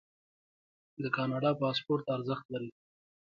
د کاناډا پاسپورت ارزښت لري.